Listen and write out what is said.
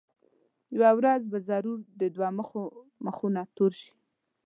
یوه ورځ به ضرور د دوه مخو مخونه تور شي.